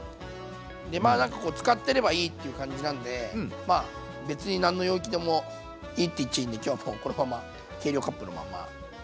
でまあなんかこうつかってればいいっていう感じなんでまあ別に何の容器でもいいっていっちゃいいんで今日はもうこのまま計量カップのまま。